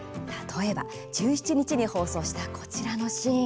１７日に放送したこちらのシーン。